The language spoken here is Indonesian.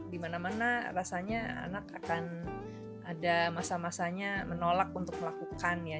dimana mana rasanya anak akan ada masa masanya menolak untuk melakukan ya